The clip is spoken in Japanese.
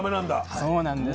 そうなんです。